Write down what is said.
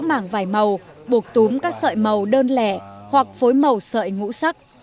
dùng khoảng vài màu buộc túm các sợi màu đơn lẻ hoặc phối màu sợi ngũ sắc